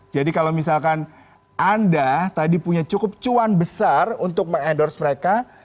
jadi kalau misalkan anda tadi punya cukup cuan besar untuk meng endorse mereka